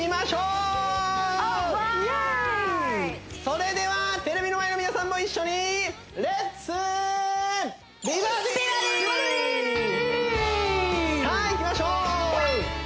それではテレビの前の皆さんも一緒にさあいきましょう！